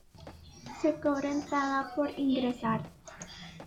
Se cobra entrada por ingresar.